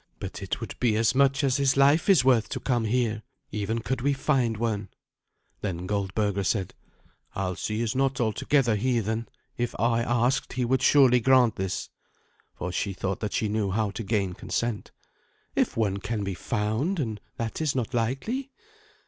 But it would be as much as his life is worth to come here, even could we find one." Then Goldberga said, "Alsi is not altogether heathen. If I asked he would surely grant this." For she thought that she knew how to gain consent. "If one can be found, and that is not likely.